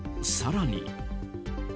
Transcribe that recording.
更に。